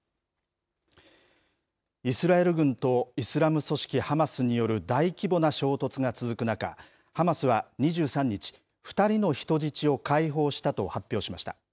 イスラエル軍とイスラム組織ハマスによる大規模な衝突が続く中、ハマスは２３日、２人の人質を解放したと発表しました。